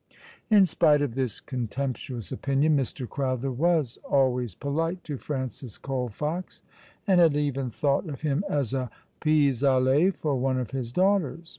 In spite of this contemptuous opinion, Mr. Crowther was always polite to Francis Colfox, and had even thought of him as a pis aller for one of his daughters.